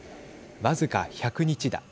僅か１００日だ。